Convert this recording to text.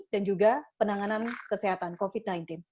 dan juga penanganan kesehatan covid sembilan belas